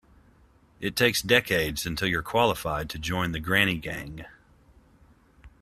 It takes decades until you're qualified to join the granny gang.